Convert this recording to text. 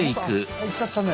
あ行っちゃったね。